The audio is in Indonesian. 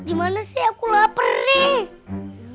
di mana sih aku lapar nih